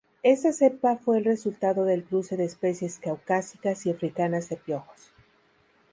Esa cepa fue el resultado del cruce de especies caucásicas y africanas de piojos.